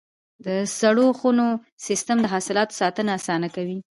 د سړو خونو سیستم د حاصلاتو ساتنه اسانه کوي.